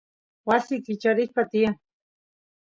wasi kicharispa tiyan